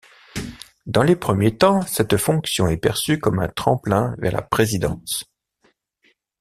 Dans les premiers temps, cette fonction est perçue comme un tremplin vers la présidence.